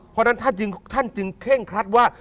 เพราะฉะนั้นท่านจึงเคร่งครัดว่า